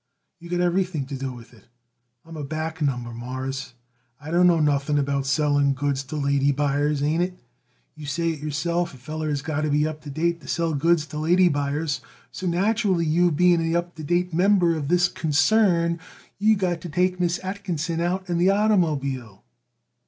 You got everything to do with it. I'm a back number, Mawruss; I don't know nothing about selling goods to lady buyers, ain't it? You say it yourself, a feller has got to be up to date to sell goods to lady buyers. So, naturally, you being the up to date member of this concern, you got to take Miss Atkinson out in the oitermobile."